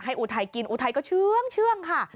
ให้อุไทยกินอุไทยก็เชื่องค่ะ